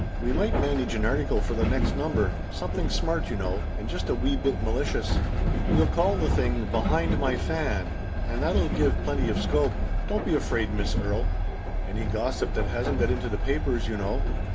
We might manage an article for the next number — something, smart, you know, and just a wee bit mali cious. We'll call the thing i Behind My Fan,' and that'll give plenty of scope. Don't be afraid, Miss Erie. Any gossip that hasn't got into the papers, you know."